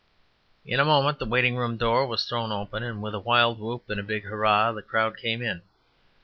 In a moment the waiting room door was thrown open, and with a wild whoop and a big hurrah, the crowd came in.